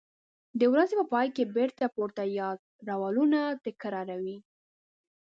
د ورځې په پای کې بېرته پورته یاد رولونه تکراروي.